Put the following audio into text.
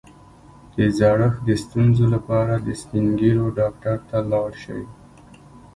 د زړښت د ستونزو لپاره د سپین ږیرو ډاکټر ته لاړ شئ